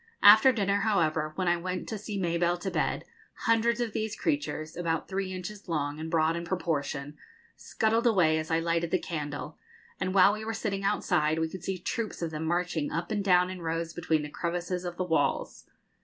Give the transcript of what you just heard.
After dinner, however, when I went to see Mabelle to bed, hundreds of these creatures, about three inches long, and broad in proportion, scuttled away as I lighted the candle; and while we were sitting outside we could see troops of them marching up and down in rows between the crevices of the walls.